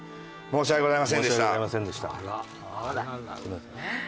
申し訳ございませんでした。